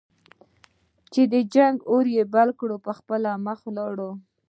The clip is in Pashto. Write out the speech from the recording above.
چې د جنګ اور یې بل کړ په خپله مخه ولاړ.